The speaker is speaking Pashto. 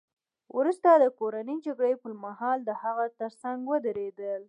وروسته د کورنۍ جګړې پرمهال د هغه ترڅنګ ودرېدل